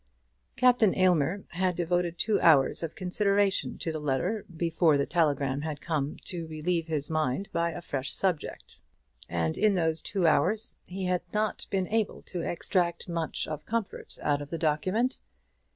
Captain Aylmer had devoted two hours of consideration to the letter before the telegram had come to relieve his mind by a fresh subject, and in those two hours he had not been able to extract much of comfort out of the document.